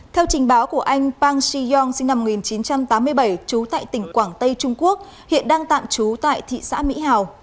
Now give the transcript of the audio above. theo trình báo của anh pang shi yong sinh năm một nghìn chín trăm tám mươi bảy trú tại tỉnh quảng tây trung quốc hiện đang tạm trú tại thị xã mỹ hào